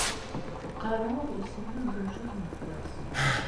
Qqareɣ wissen m ad zewǧeɣ yiwwas.